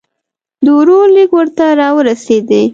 د ورور لیک ورته را ورسېدی.